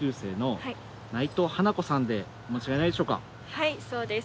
はいそうです。